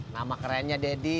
nama kerennya daddy